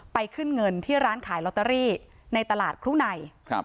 ขึ้นเงินที่ร้านขายลอตเตอรี่ในตลาดครูในครับ